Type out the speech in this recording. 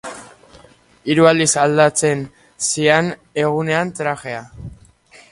Hiru aldiz aldatzen zian egunean trajea.